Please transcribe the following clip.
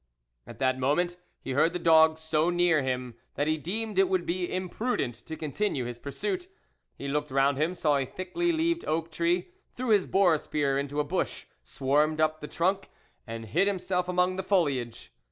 At that moment he heard the dogs so near him, that he deemed it would be im prudent to continue his pursuit. He looked round him, saw a thickly leaved oak tree, threw his boar spear into a bush, swarmed up the trunk, and hid himself among the foliage.